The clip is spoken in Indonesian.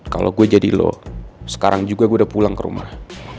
kalau gue jadi lo sekarang juga gue udah pulang ke rumah